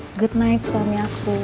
selamat malam suami aku